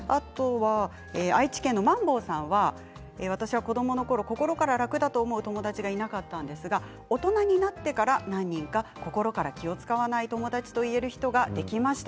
愛知県の方は、私は子どものころ心から楽だと思う友達がいなかったんですが大人になってから何人か心から気を遣わない友達と言える人ができました。